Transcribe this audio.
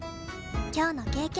今日の経験